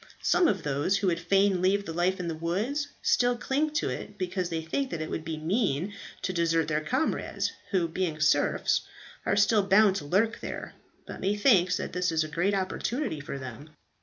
Some of those who would fain leave the life in the woods, still cling to it because they think that it would be mean to desert their comrades, who being serfs are still bound to lurk there; but methinks that this is a great opportunity for them.